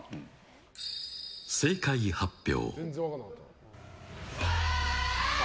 正解発表。